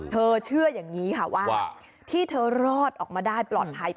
เชื่ออย่างนี้ค่ะว่าที่เธอรอดออกมาได้ปลอดภัย